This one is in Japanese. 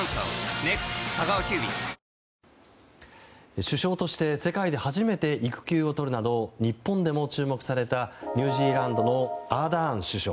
首相として世界で初めて育休をとるなど日本でも注目されたニュージーランドのアーダーン首相。